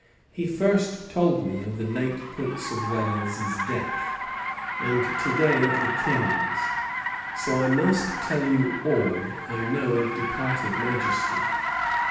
He first told me of the late Prince of Wales's death, and to day of the King's; so I must tell you all I know of departed majesty.